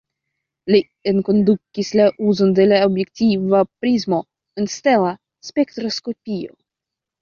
Li enkondukis la uzon de la objektiva prismo en stela spektroskopio.